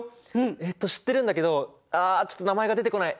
えっと知ってるんだけどあちょっと名前が出てこない。